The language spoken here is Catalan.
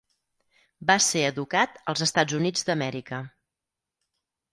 Va ser educat als Estats Units d'Amèrica.